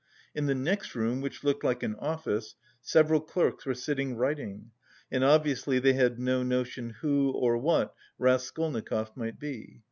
In the next room which looked like an office, several clerks were sitting writing and obviously they had no notion who or what Raskolnikov might be.